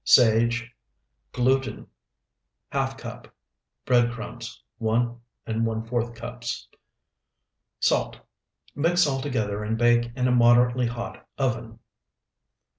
Sage. Gluten, ½ cup. Bread crumbs, 1¼ cups. Salt. Mix all together and bake in a moderately hot oven.